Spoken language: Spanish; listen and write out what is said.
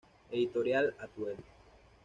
Editorial Atuel.